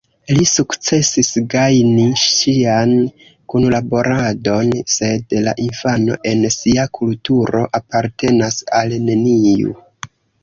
Li sukcesis gajni ŝian kunlaboradon, sed la infano en sia kulturo apartenas al neniu.